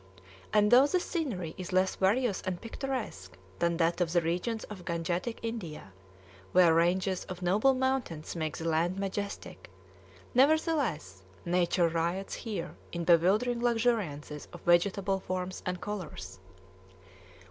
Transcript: And though the scenery is less various and picturesque than that of the regions of Gangetic India, where ranges of noble mountains make the land majestic, nevertheless nature riots here in bewildering luxuriances of vegetable forms and colors.